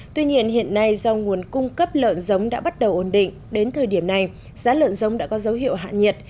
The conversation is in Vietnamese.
tuy nhiên hiện nay do nguồn cung cấp lợn giống đã bắt đầu ổn định đến thời điểm này giá lợn giống đã có dấu hiệu hạ nhiệt